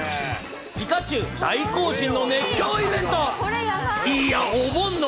ピカチュウ大行進の熱狂イベント！